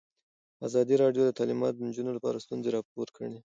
ازادي راډیو د تعلیمات د نجونو لپاره ستونزې راپور کړي.